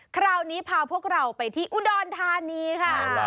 คราวนี้พาพวกเราไปที่อุดรธานีค่ะ